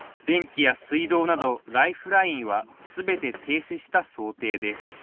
電気や水道などライフラインはすべて停止した想定です